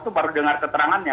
itu baru dengar keterangannya